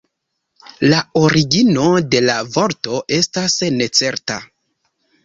La origino de la vorto estas necerta.